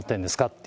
って